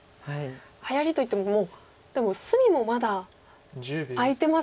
はやりといってももうでも隅もまだ空いてますよ